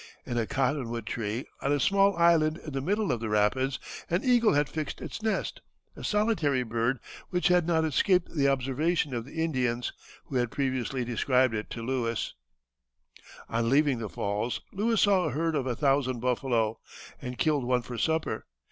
In a cottonwood tree, on a small island in the middle of the rapids, an eagle had fixed its nest, a solitary bird which had not escaped the observation of the Indians, who had previously described it to Lewis. On leaving the falls Lewis saw a herd of a thousand buffalo, and killed one for supper.